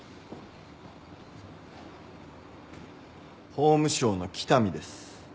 法務省の北見です。